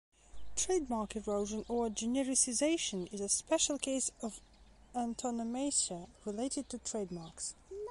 Trademark erosion, or genericization, is a special case of antonomasia related to trademarks.